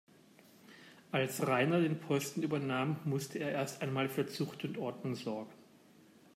Als Rainer den Posten übernahm, musste er erst einmal für Zucht und Ordnung sorgen.